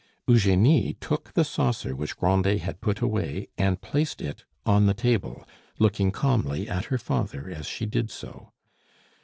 Eugenie took the saucer which Grandet had put away and placed it on the table, looking calmly at her father as she did so.